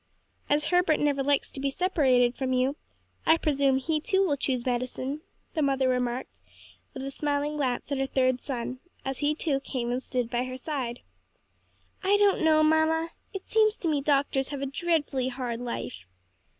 "As Herbert never likes to be separated from you, I presume he too will choose medicine," the mother remarked, with a smiling glance at her third son, as he too came and stood at her side. "I don't know, mamma; it seems to me doctors have a dreadfully hard life."